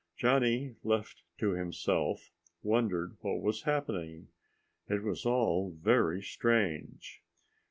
Johnny, left to himself, wondered what was happening. It was all very strange.